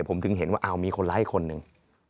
ผมถึงเห็นว่ามีคนไร้คนหนึ่ง